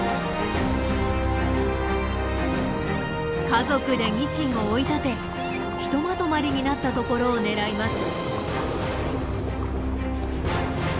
家族でニシンを追い立てひとまとまりになったところを狙います。